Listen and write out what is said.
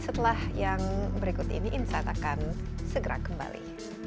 setelah yang berikut ini insight akan segera kembali